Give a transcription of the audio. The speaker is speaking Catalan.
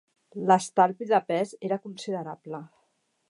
L'estalvi de pes era considerable.